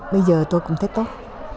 bây giờ tôi cũng thấy tốt